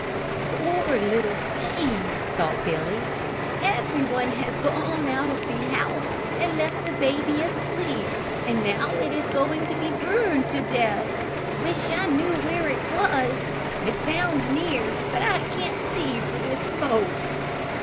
"Poor little thing," thought Billy, "everyone has gone out of the house and left the baby asleep and now it is going to be burned to death. Wish I knew where it was; it sounds near but I can't see for this smoke."